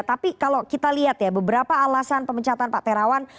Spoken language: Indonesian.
tapi kalau kita lihat ya beberapa alasan pemecatan pak terawan